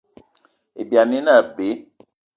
Ibyani ine abe.